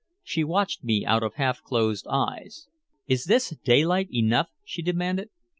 She watched me out of half closed eyes. "Is this daylight enough?" she demanded.